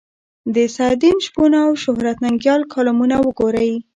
د سعدالدین شپون او شهرت ننګیال کالمونه وګورئ.